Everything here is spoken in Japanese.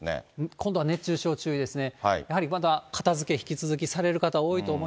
今度は熱中症注意ですね。